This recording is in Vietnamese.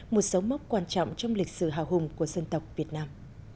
một số mốc quan trọng trong lịch sử hào hùng của dân tộc việt nam